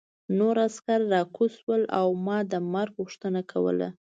نور عسکر راکوز شول او ما د مرګ غوښتنه کوله